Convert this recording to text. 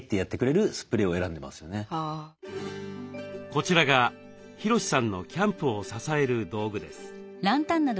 こちらがヒロシさんのキャンプを支える道具です。